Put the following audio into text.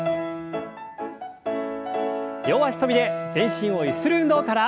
両脚跳びで全身をゆする運動から。